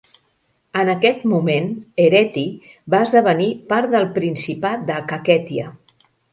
En aquest moment, Hereti va esdevenir part del principat de Kakhètia.